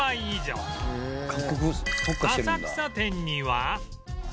浅草店には